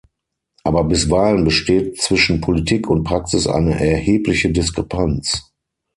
Aber bisweilen besteht zwischen Politik und Praxis eine erhebliche Diskrepanz.